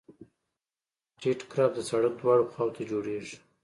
ټیټ کرب د سرک دواړو خواو ته جوړیږي